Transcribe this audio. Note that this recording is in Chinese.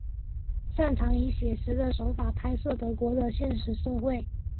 擅长以写实的手法拍摄德国的现实社会。